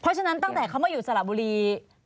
เพราะฉะนั้นตั้งแต่เขามาอยู่สระบุรี